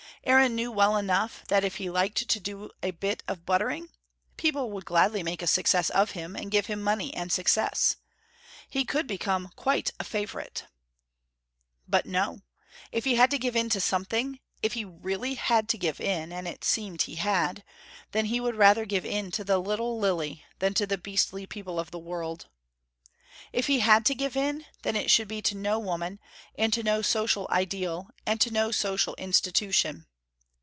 Aaron knew well enough that if he liked to do a bit of buttering, people would gladly make a success of him, and give him money and success. He could become quite a favourite. But no! If he had to give in to something: if he really had to give in, and it seemed he had: then he would rather give in to the little Lilly than to the beastly people of the world. If he had to give in, then it should be to no woman, and to no social ideal, and to no social institution.